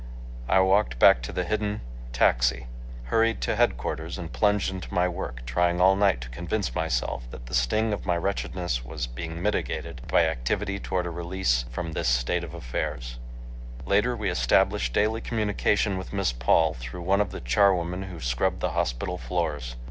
I walked back to the hidden taxi, hurried to headquarters, and plunged into my work, trying all night to convince myself that the sting of my wretchedness was being mitigated by activity toward a release from this state of affairs. Later we established daily communication with Miss Paul through one of the charwomen who scrubbed the hospital floors.